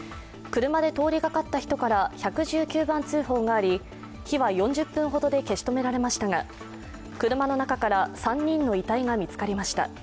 車で通りがかった人から１１９番通報があり、火は４０分ほどで消し止められましたが、車の中から、３人の遺体が見つかりました。